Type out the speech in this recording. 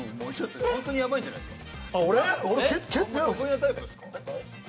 本当にヤバいんじゃないですか？